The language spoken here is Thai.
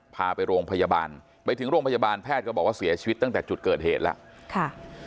พาไปโรงพยาบาลไปถึงโรงพยาบาลแพทย์ก็บอกว่าเสียชีวิตตั้งแต่จุดเกิดเหตุแล้วค่ะ